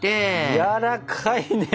やわらかいね。